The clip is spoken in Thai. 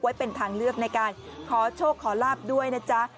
เป็นทางเลือกในการขอโชคขอลาบด้วยนะจ๊ะ